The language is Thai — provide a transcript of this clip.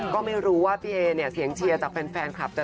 ก็ไม่รู้ว่าพี่เอ๋เสียงเชียร์จากเฟนคลับ